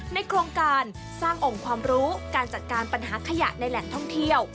โครงการสร้างองค์ความรู้การจัดการปัญหาขยะในแหล่งท่องเที่ยว